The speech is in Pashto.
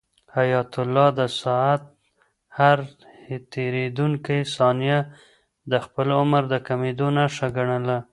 حیات الله د ساعت هر تېریدونکی ثانیه د خپل عمر د کمېدو نښه ګڼله.